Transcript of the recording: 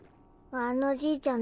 あのじいちゃん